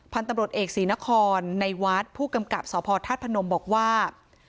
พันธุ์ตำรวจเอกศรีนครในวัดผู้กำกับสพธาตุพนมบอกว่า